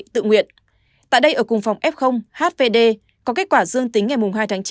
tại đây ở cùng phòng f hvd có kết quả dương tính ngày hai tháng chín